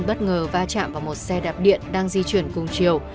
bất ngờ va chạm vào một xe đạp điện đang di chuyển cùng chiều